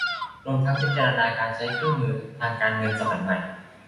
รวมทั้งพิจารณาใช้เครื่องมือทางการเงินสมัยใหม่